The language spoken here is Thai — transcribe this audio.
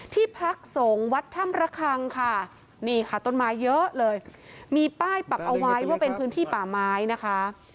ที่พักสงฆ์วัดถ้ำระคังค่ะนี่ค่ะต้นไม้เยอะเลยมีป้ายปักเอาไว้ว่าเป็นพื้นที่ป่าไม้นะคะ